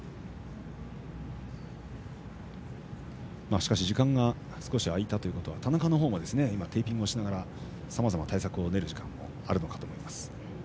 しかし、時間が少し空いたということは田中のほうも今、テーピングをしながらさまざまな対策を練る時間があるかと思います。